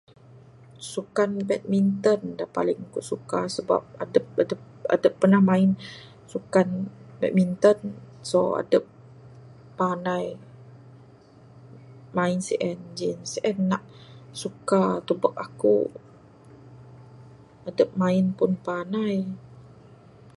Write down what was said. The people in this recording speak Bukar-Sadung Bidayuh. Sukan badminton dak paling ku suka sebab bab adep-adep pernah main sukan badminton so adep pandai main sien jen sien nak suka tebek aku, adep main pun pandai.